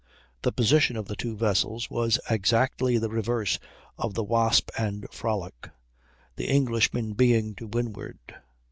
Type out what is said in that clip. The position of the two vessels was exactly the reverse of the Wasp and Frolic, the Englishman being to windward.